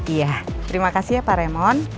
iya terima kasih ya pak remon